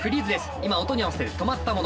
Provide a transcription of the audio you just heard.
今音に合わせて止まったもの